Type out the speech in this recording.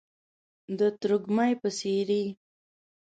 د ترږمۍ په څیرې،